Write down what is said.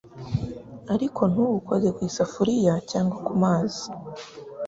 ariko ntuwukoze ku isafuriya cyangwa mu mazi